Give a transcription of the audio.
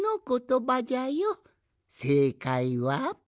せいかいは。